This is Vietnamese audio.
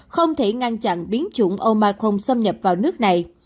không thể ngăn chặn biến chủng omicron xâm nhập vào nước này